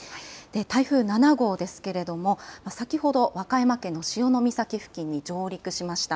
台風７号ですけれども先ほど和歌山県の潮岬付近に上陸しました。